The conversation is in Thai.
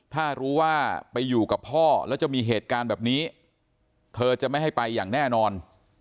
ถ้ารู้ว่าไปอยู่กับพ่อแล้วจะมีเหตุการณ์แบบนี้เธอจะไม่ให้ไปอย่างแน่นอน